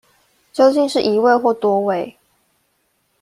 究竟是一位或多位